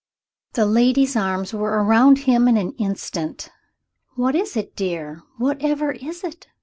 The lady's arms were round him in an instant. "What is it, dear? Whatever is it?"